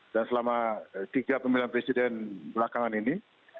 dan selama tiga pemilihan presiden belakangan ini